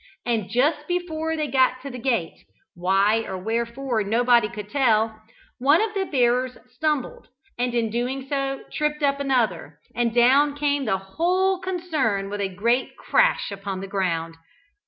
And just before they got to the gate, why or wherefore nobody could tell, one of the bearers stumbled, and in doing so tripped up another, and down came the whole concern with a great crash upon the ground.